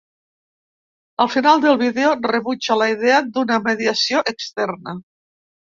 Al final del vídeo, rebutja la idea d’una mediació externa.